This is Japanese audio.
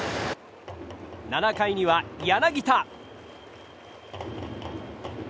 ７回には、柳田。